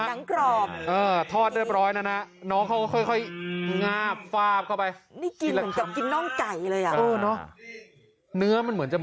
อู๋ฮือทอดเรียบร้อยเลยนะ